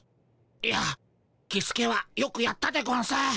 いやキスケはよくやったでゴンス。